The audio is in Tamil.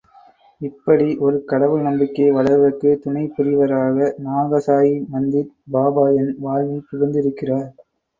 இப்படி ஒரு கடவுள் நம்பிக்கை வளர்வதற்கு துணை புரிவராக நாகசாயிமந்திர் பாபா என் வாழ்வில் புகுந்திருக்கிறார்.